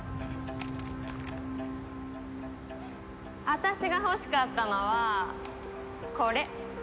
私が欲しかったのはこれ。